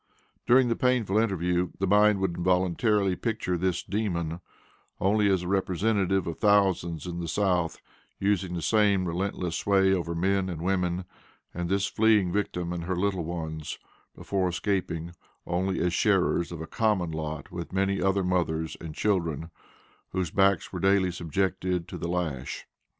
During the painful interview the mind would involuntarily picture this demon, only as the representative of thousands in the South using the same relentless sway over men and women; and this fleeing victim and her little ones, before escaping, only as sharers of a common lot with many other mothers and children, whose backs were daily subjected to the lash.